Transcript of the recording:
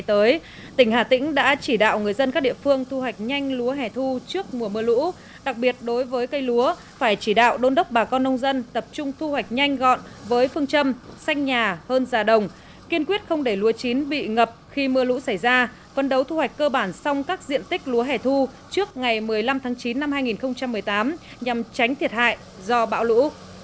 tỉnh đã chỉ đạo người dân các địa phương thu hoạch nhanh lúa hẻ thu trước mùa mưa lũ đặc biệt đối với cây lúa phải chỉ đạo đôn đốc bà con nông dân tập trung thu hoạch nhanh gọn với phương châm xanh nhà hơn già đồng kiên quyết không để lúa chín bị ngập khi mưa lũ xảy ra phân đấu thu hoạch cơ bản xong các diện tích lúa hẻ thu trước ngày một mươi năm tháng chín năm hai nghìn một mươi tám nhằm tránh thiệt hại do bão lũ